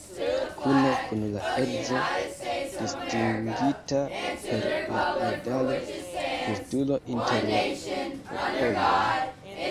Kune kun la edzo distingita per la medalo "Justulo inter la popoloj".